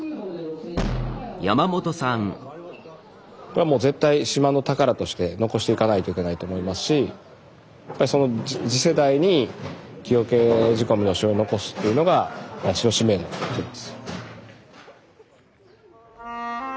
これはもう絶対島の宝として残していかないといけないと思いますしやっぱりその次世代に木桶仕込みのしょうゆを残すっていうのが私の使命だと思ってます。